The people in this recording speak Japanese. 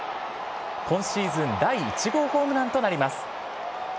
今シーズン第１号ホームランとなります。